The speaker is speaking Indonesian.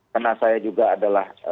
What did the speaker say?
karena saya juga adalah